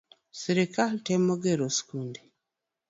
Sirkal temo gero sikunde